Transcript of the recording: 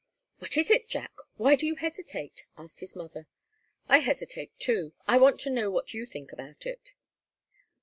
"What is it, Jack? Why do you hesitate?" asked his mother. "I hesitate, too. I want to know what you think about it."